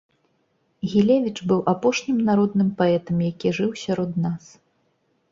Гілевіч быў апошнім народным паэтам, які жыў сярод нас.